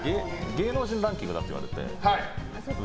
芸能人ランキングだって言われて。